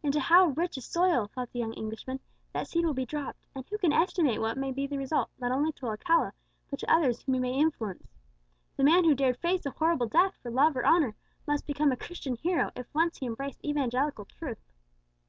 "Into how rich a soil," thought the young Englishman, "that seed will be dropped; and who can estimate what may be the result, not only to Alcala, but to others whom he may influence! The man who dared face a horrible death for love or honour, must become a Christian hero if once he embrace evangelical truth."